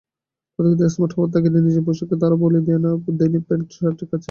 তথাকথিত স্মার্ট হওয়ার তাগিদে নিজেদের পোশাককে তারা বলি দেয়নি প্যান্ট শার্টের কাছে।